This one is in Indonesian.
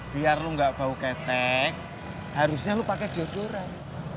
biar lo enggak bau ketek harusnya lo pake jodoran